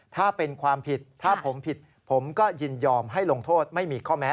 ถ้าเป็นความผิดถ้าผมผิดผมก็ยินยอมให้ลงโทษไม่มีข้อแม้